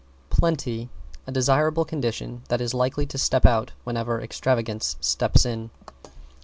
=PLENTY= A desirable condition that is likely to step out whenever Extravagance steps in.